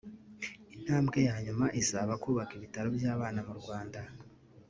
Intambwe ya nyuma izaba kubaka ibitaro by’abana mu Rwanda